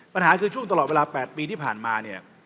ปัญหาคือช่วงตลอดเวลา๘ปีที่ผ่านมาเนี่ย